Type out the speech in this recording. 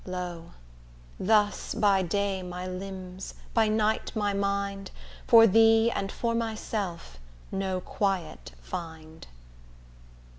Lo! thus, by day my limbs, by night my mind, For thee, and for myself, no quiet find.